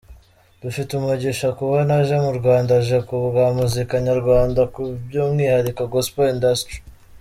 Dufite umugisha kubona aje mu Rwanda aje kubwa muzika nyarwanda by'umwihariko Gospel industry.